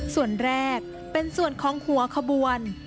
ส่วนแรกเป็นส่วนของหัวขบวน